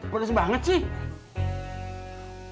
pedas banget sih